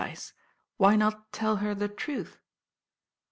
e. Why not tell her the truth?"